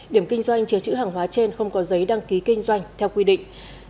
điểm kinh doanh chứa chữ hàng hóa trên không có giấy đăng ký kinh doanh theo quy định